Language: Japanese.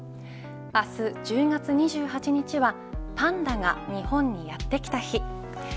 明日１０月２８日はパンダが日本にやって来た日です。